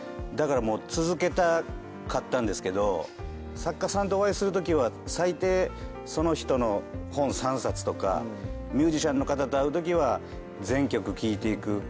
だから続けたかったんですけど作家さんとお会いするときは最低その人の本３冊とかミュージシャンの方と会うときは全曲聴いていく。